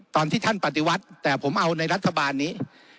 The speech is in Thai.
ตอนที่ท่านปฏิวัติแต่ผมเอาในรัฐบาลนี้